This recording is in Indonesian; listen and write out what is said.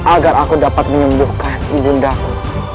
agar aku dapat menyembuhkan ibu undaku